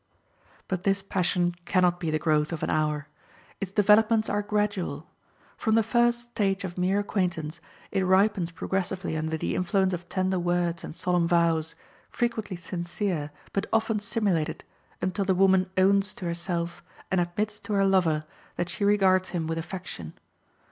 But this passion can not be the growth of an hour. Its developments are gradual. From the first stage of mere acquaintance, it ripens progressively under the influence of tender words and solemn vows, frequently sincere, but often simulated, until the woman owns to herself and admits to her lover that she regards him with affection.